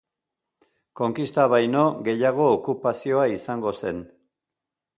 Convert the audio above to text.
Konkista baino gehiago okupazioa izango zen.